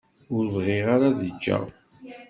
Ur bɣiɣ ara ad ǧǧeɣ.